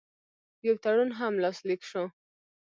یو تړون هم لاسلیک شو.